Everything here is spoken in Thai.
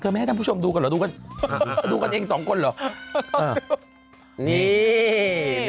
ไม่ให้ท่านผู้ชมดูกันเหรอดูกันดูกันเองสองคนเหรอ